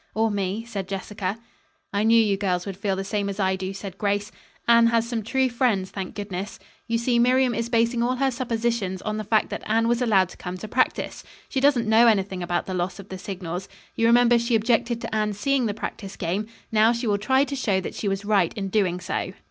"Or me," said Jessica. "I knew you girls would feel the same as I do," said Grace. "Anne has some true friends, thank goodness. You see Miriam is basing all her suppositions on the fact that Anne was allowed to come to practice. She doesn't know anything about the loss of the signals. You remember she objected to Anne seeing the practice game. Now she will try to show that she was right in doing so."